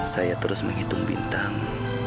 saya terus menghitung bintang